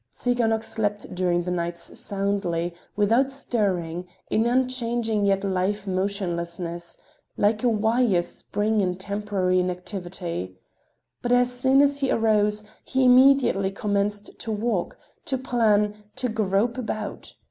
Tsiganok slept during the nights soundly, without stirring, in unchanging yet live motionlessness, like a wire spring in temporary inactivity. But as soon as he arose, he immediately commenced to walk, to plan, to grope about.